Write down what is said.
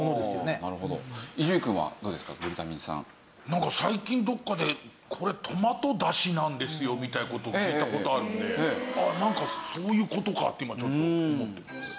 なんか最近どこかでこれトマトだしなんですよみたいな事を聞いた事あるんでそういう事かって今ちょっと思ってます。